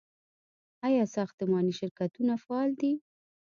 آیا ساختماني شرکتونه فعال دي؟